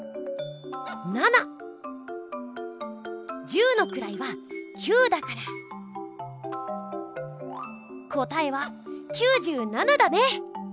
７！十のくらいは９だから答えは９７だね！